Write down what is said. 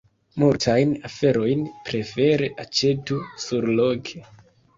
Multajn aferojn prefere aĉetu surloke.